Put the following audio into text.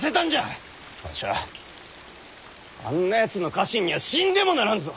わしゃあんなやつの家臣には死んでもならんぞ！